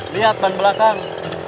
lihat ban belakang